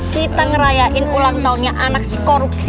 kita ngerayain ulang tahunnya anak si korupsi